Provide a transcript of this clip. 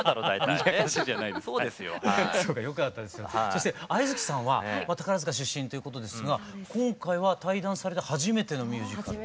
そして愛月さんは宝塚出身ということですが今回は退団されて初めてのミュージカル。